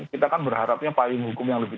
kita kan berharapnya payung hukum yang lebih